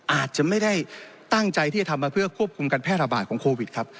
อาจจะไม่ได้ตั้งใจที่จะทำมาเพื่อควบคุมการแพร่ระบาดของโควิดครับ